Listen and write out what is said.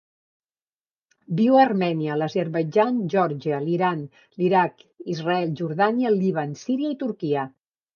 Viu a Armènia, l'Azerbaidjan, Geòrgia, l'Iran, l'Iraq, Israel, Jordània, el Líban, Síria i Turquia.